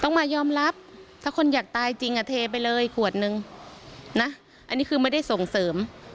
ต้องมายอมรับถ้าคนอยากตายจริงอ่ะเทไปเลยขวดนึงนะอันนี้คือไม่ได้ส่งเสริม